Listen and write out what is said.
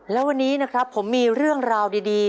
และวันนี้นะครับผมมีเรื่องราวดี